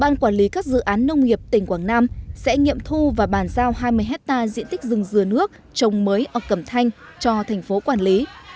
ban quản lý các dự án nông nghiệp tỉnh quảng nam sẽ nghiệm thu và bàn giao hai mươi hectare diện tích rừng dừa nước trồng mới ở cẩm thanh cho thành phố quản lý